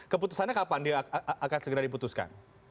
keputusannya kapan dia akan segera diputuskan